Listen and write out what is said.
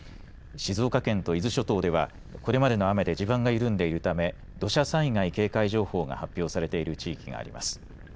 静岡県と伊豆諸島ではこれまでの雨で地盤が緩んでいるため土砂災害警戒情報が発表されている地域があります。